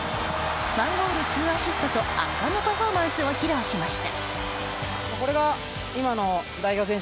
１ゴール２アシストと圧巻のパフォーマンスを披露しました。